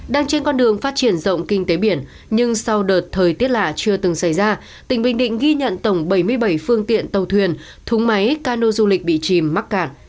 đang trên con đường phát triển rộng kinh tế biển nhưng sau đợt thời tiết lạ chưa từng xảy ra tỉnh bình định ghi nhận tổng bảy mươi bảy phương tiện tàu thuyền thúng máy cano du lịch bị chìm mắc cạn